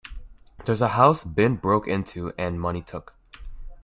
There's a house been broke into and money took.